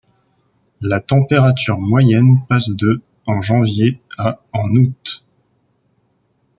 La température moyenne passe de en janvier à en août.